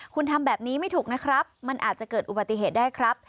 คุณทำแบบนี้ไม่ถูกนะครับมันอาจจะเกิดอุบัติเหตุได้ครับ